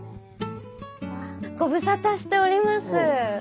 御無沙汰しております。